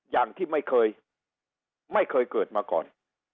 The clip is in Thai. อย่างที่ไม่เคยไม่เคยเกิดมาก่อน